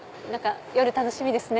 夜楽しみですね。